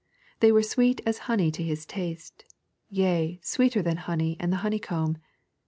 They were sweet as honey to His taste, " yea, sweeter than honey and the honey comb."